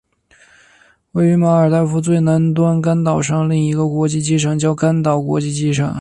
位于马尔代夫最南端甘岛上另一个国际机场叫甘岛国际机场。